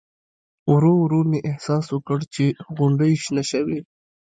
ورو ورو مې احساس وکړ چې غونډۍ شنې شوې.